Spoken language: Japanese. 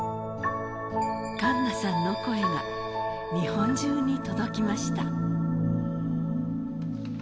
栞奈さんの声が日本中に届きました。